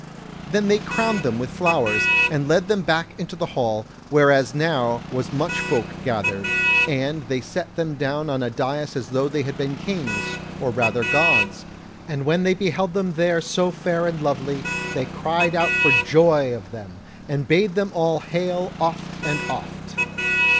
Then they crowned them with flowers, and led them back into the hall, whereas now was much folk gathered, and they set them down on a dais as though they had been kings, or rather gods; and when they beheld them there so fair and lovely, they cried out for joy of them, and bade them hail oft and oft.